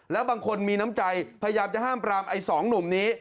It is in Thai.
แล้วบางคนมีน้ำใจพยายามจะห้ามปรามไอ้สองหนุ่มนี้